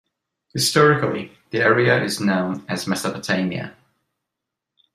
Historically, the area is known as Mesopotamia.